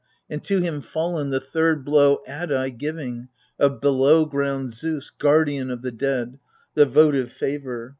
And to him, fallen, The third blow add I, giving — of Below ground Zeus, guardian of the dead — the votive favour.